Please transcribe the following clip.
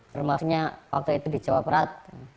termasuknya waktu itu di jawa barat